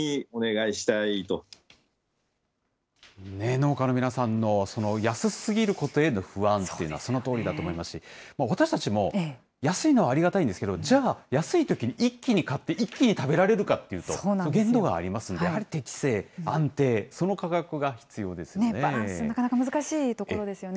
農家の皆さんの安すぎることへの不安というのは、そのとおりだと思いますし、私たちも、安いのはありがたいんですけど、じゃあ、安いときに一気に買って、一気に食べられるかというと、限度がありますので、やはり適正、安定、バランス、なかなか難しいところですよね。